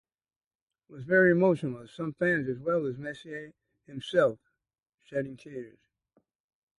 It was very emotional as some fans as well as Messier himself shedding tears.